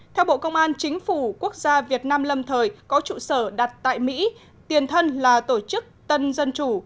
theo bộ công an chính phủ quốc gia việt nam lâm thời có trụ sở đặt tại mỹ tiền thân là tổ chức tân dân chủ